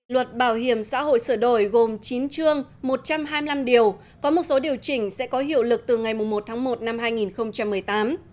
luật bảo hiểm xã hội sửa đổi gồm chín chương một trăm hai mươi năm điều có một số điều chỉnh sẽ có hiệu lực từ ngày một tháng một năm hai nghìn một mươi tám